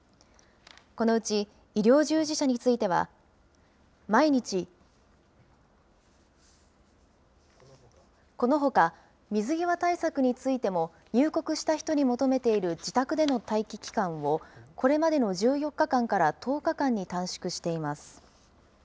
このうち医療従事者については、毎日、このほか水際対策についても入国した人に求めている自宅での待機期間を、これまでの１４日間から１０日間に短縮しています。